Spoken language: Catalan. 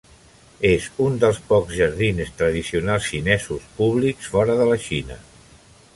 És un dels pocs jardins tradicionals xinesos públics fora de la Xina.